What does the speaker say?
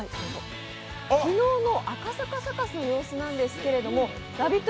昨日の赤坂サカスの様子なんですけれどラヴィット！